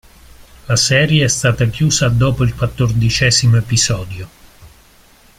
La serie è stata chiusa dopo il quattordicesimo episodio.